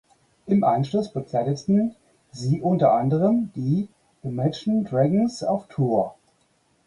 Im Anschluss begleiteten sie unter anderem die Imagine Dragons auf Tour.